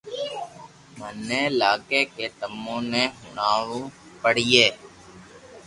ميني لاگي ڪي تمو ني ھڻاوہ پڙئي